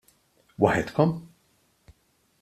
Waħedkom?